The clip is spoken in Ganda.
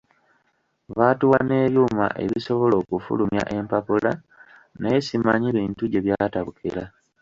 Baatuwa n’ebyuma ebisobola okufulumya empapula naye simanyi bintu gye byatabukira.